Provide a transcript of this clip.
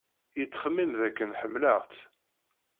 Yettxemmim dakken ḥemmleɣ-tt.